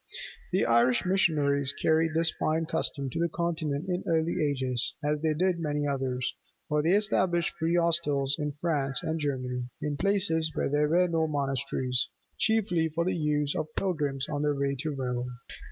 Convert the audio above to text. The Irish missionaries carried this fine custom to the Continent in early ages, as they did many others: for they established free hostels in France and Germany, in places where there were no monasteries, chiefly for the use of pilgrims on their way to Rome.